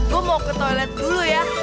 gue mau ke toilet dulu ya